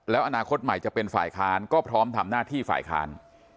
แล้วอนาคตใหม่จะเป็นฝ่ายค้านก็พร้อมทำหน้าที่ฝ่ายค้าน